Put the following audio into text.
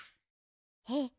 えっ。